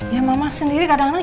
ya mama sendiri kadang kadang